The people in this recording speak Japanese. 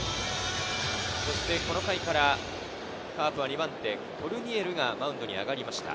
この回からカープは２番手、コルニエルがマウンドに上がりました。